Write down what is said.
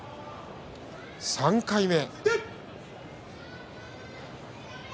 ３回目。